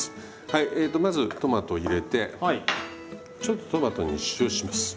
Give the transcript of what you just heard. はいえとまずトマト入れてちょっとトマトに塩します。